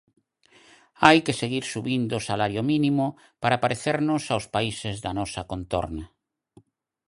Hai que seguir subindo o salario mínimo para parecernos aos países da nosa contorna.